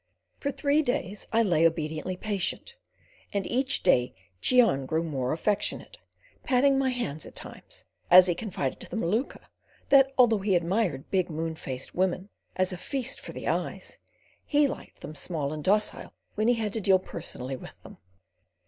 For three days I lay obediently patient, and each day Cheon grew more affectionate, patting my hands at times, as he confided to the Maluka that although he admired big, moon faced women as a feast for the eyes, he liked them small and docile when he had to deal personally with them.